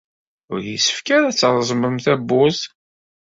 Ur yessefk ara ad treẓmem tawwurt.